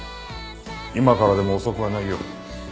今からでも遅くはないよ。